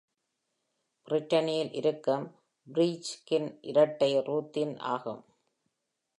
Brittany இல் இருக்கும் Brieg-கின் இரட்டை Ruthin ஆகும்.